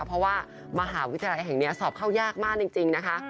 เพราะว่ามหาวิทยาลัยแห่งนี้สอบเข้ายากมากจริงนะคะ